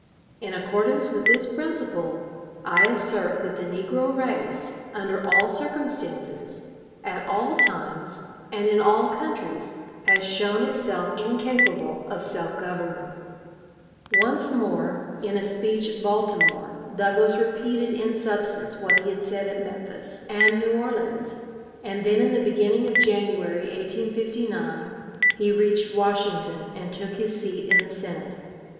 In accordance with this principle, I assert that the negro race, under all circumstances, at all times, and in all countries, has shown itself incapable of self government." Douglas, Baltimore Speech, Jan. 5, 1859. Pamphlet. Once more, in a speech at Baltimore, Douglas repeated in substance what he had said at Memphis and New Orleans, and then in the beginning of January, 1859, he reached Washington and took his seat in the Senate.